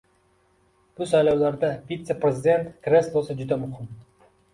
Bu saylovlarda Vitse-prezident kreslosi juda muhim.